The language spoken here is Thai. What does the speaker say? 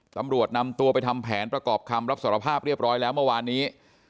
ตำรวจนำตัวไปทำแผนประกอบคำรับสารภาพเรียบร้อยแล้วเมื่อวานนี้